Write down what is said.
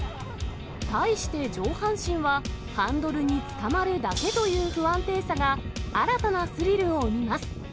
対して、上半身はハンドルにつかまるだけという不安定さが、新たなスリルを生みます。